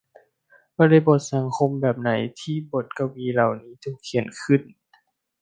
บริบทสังคมแบบไหนที่บทกวีเหล่านี้ถูกเขียนขึ้น